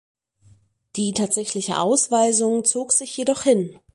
Die tatsächliche Ausweisung zog sich jedoch hin.